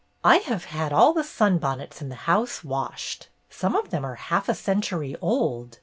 " I have had all the sunbonnets in the house washed. Some of them are half a century old.